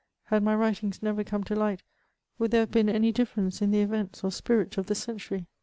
Had my writings never come to light, would there have heen any difference in the events or spirit of the century